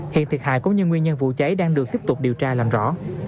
hiện thiệt hại cũng như nguyên nhân vụ cháy đang được tiếp tục điều tra làm rõ